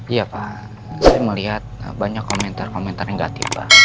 iya pak saya melihat banyak komentar komentar yang gak tiba